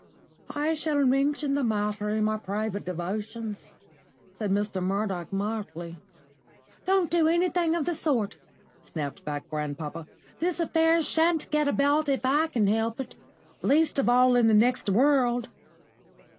"I shall mention the matter in my private devotions," said Mr. Murdoch mildly. "Don't do anything of the sort," snapped back grandpapa. "This affair shan't get about if I can help it least of all in the next world.